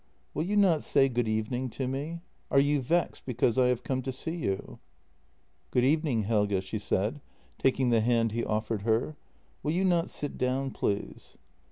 "Will you not say good evening to me? Are you vexed because I have come to see you? "" Good evening, Helge," she said, taking the hand he offered her. "Will you not sit down, please?"